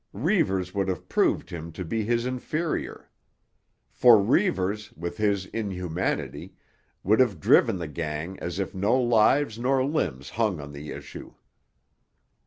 Reivers would have proved him to be his inferior; for Reivers, with his inhumanity, would have driven the gang as if no lives nor limbs hung on the tissue.